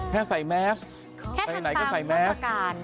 แค่ใส่แม็กซ์ไปไหนก็ใส่แม็กซ์